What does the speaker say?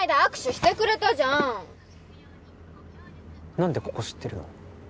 なんでここ知ってるの？